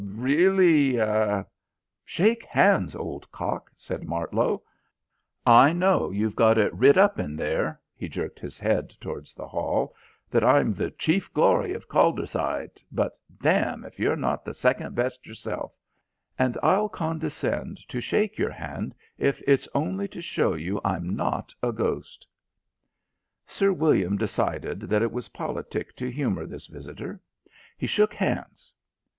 really...." "Shake hands, old cock," said Martlow, "I know you've got it writ up in there " he jerked his head towards the hall "that I'm the chief glory of Calderside, but damme if you're not the second best yourself, and I'll condescend to shake your hand if it's only to show you I'm not a ghost." Sir William decided that it was politic to humour this visitor. He shook hands.